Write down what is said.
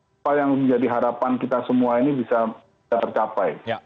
apa yang menjadi harapan kita semua ini bisa tercapai